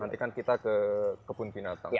nanti kan kita ke kebun binatang